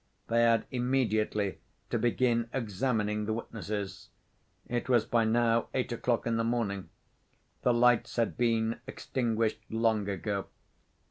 They had immediately to begin examining the witnesses. It was by now eight o'clock in the morning. The lights had been extinguished long ago.